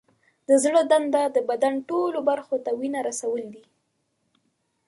د زړه دنده د بدن ټولو برخو ته وینه رسول دي.